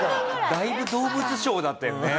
だいぶ動物商だったよね。